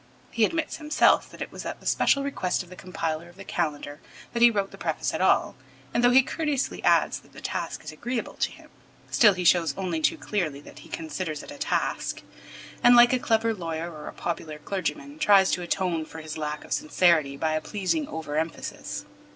He admits himself that it was at the special request of the compiler of the Calendar that he wrote the preface at all, and though he courteously adds that the task is agreeable to him, still he shows only too clearly that he considers it a task and, like a clever lawyer or a popular clergyman, tries to atone for his lack of sincerity by a pleasing over emphasis.